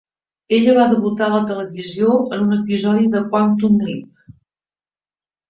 Ella va debutar a la televisió en un episodi de "Quantum Leap".